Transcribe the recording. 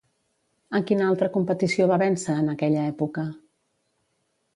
En quina altra competició va vèncer en aquella època?